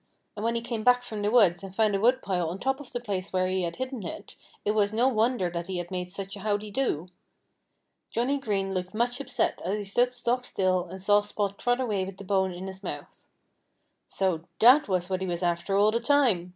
And when he came back from the woods and found a woodpile on top of the place where he had hidden it, it was no wonder that he made such a howdy do. Johnnie Green looked much upset as he stood stock still and saw Spot trot away with the bone in his mouth. "So that was what he was after all the time!"